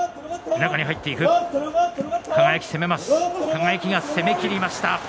輝が攻めきりました。